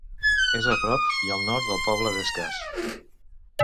És a prop i al nord del poble d'Escàs.